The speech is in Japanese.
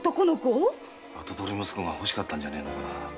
跡取り息子が欲しかったんじゃねえのか？